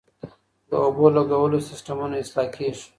د اوبو لګولو سیستمونه اصلاح کېږي.